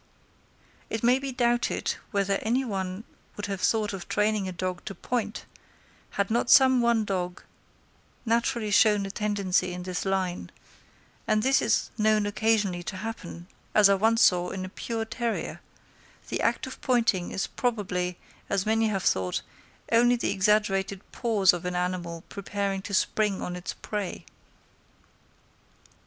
It may be doubted whether any one would have thought of training a dog to point, had not some one dog naturally shown a tendency in this line; and this is known occasionally to happen, as I once saw, in a pure terrier: the act of pointing is probably, as many have thought, only the exaggerated pause of an animal preparing to spring on its prey.